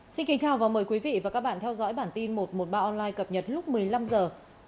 xin kính chào và mời quý vị và các bạn theo dõi bản tin một trăm một mươi ba online cập nhật lúc một mươi năm h